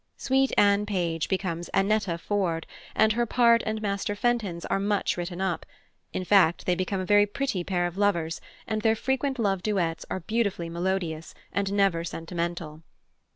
Sweet Anne Page becomes Annetta Ford, and her part and Master Fenton's are much written up; in fact, they become a very pretty pair of lovers, and their frequent love duets are beautifully melodious, and never sentimental.